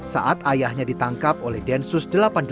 saat ayahnya ditangkap oleh densus delapan puluh delapan